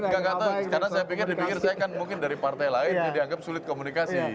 nggak tahu karena saya pikir dipikir saya kan mungkin dari partai lain yang dianggap sulit komunikasi